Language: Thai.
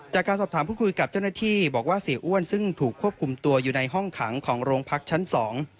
จากการสอบถามพูดคุยกับเจ้าหน้าที่บอกว่าเสียอ้วนซึ่งถูกควบคุมตัวอยู่ในห้องขังของโรงพักชั้นสอง